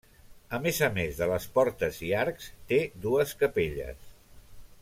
A més a més de les portes i arcs, té dues capelles.